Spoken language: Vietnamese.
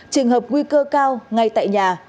trường hợp nguy cơ cao ngay tại nhà